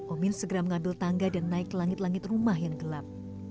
omin segera mengambil tangga dan naik ke langit langit rumah yang gelap